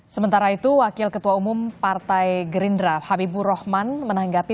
sementara itu wakil ketua umum partai gerindra habibur rahman menanggapi